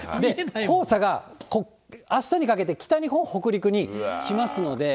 黄砂があしたにかけて、北日本、北陸に来ますので。